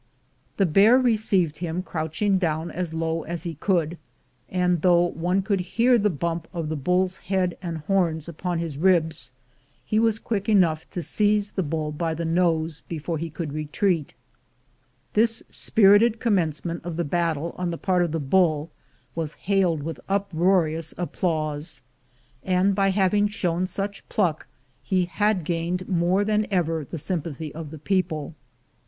The bear received him crouching down as low as he could, and though one could hear the bump of the bull's head and horns upon his ribs, he was quick enough to seize the bull by the nose before he could retreat. This spirited commencement of the battle on the part of the bull was hailed with uproarious applause; and by having shown such pluck, he had gained more than ever the sympathy of the people.